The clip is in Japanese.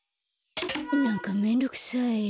なんかめんどくさい。